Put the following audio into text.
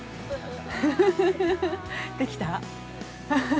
できた？